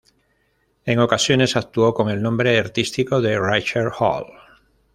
En ocasiones actuó con el nombre artístico de Richard Holt.